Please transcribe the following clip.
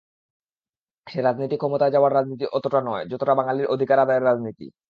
সে-রাজনীতি ক্ষমতায় যাওয়ার রাজনীতি অতটা নয়, যতটা বাঙালির অধিকার আদায়ের রাজনীতি।